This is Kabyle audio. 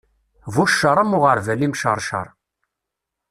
Bu cceṛ am uɣerbal imceṛceṛ.